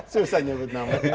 susah nyebut nama